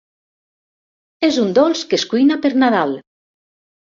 És un dolç que es cuina per Nadal.